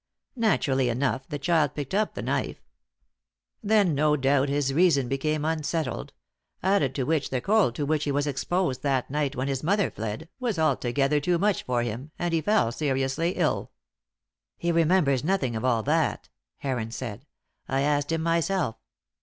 Naturally enough the child picked up the knife. Then, no doubt, his reason became unsettled, added to which the cold to which he was exposed that night when his mother fled, was altogether too much for him, and he fell seriously ill." "He remembers nothing of all that," Heron said. "I asked him myself.